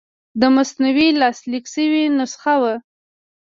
د مثنوي لاسلیک شوې نسخه وه.